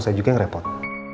saya juga yang repot